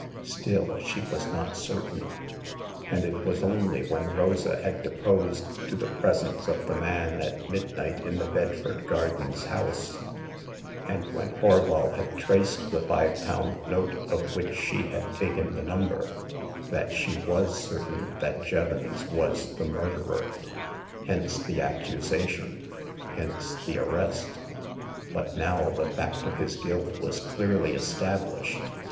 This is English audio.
Still, she was not certain ; and it was only when Rosa had deposed to the presence of the man at midnight in the Bedford Gardens house, and when Horval had traced the five pound note of which she had taken the number, that she was certain that Jevons was the murderer. Hence the accusation ; hence the arrest. But now the fact of his guilt was clearly established.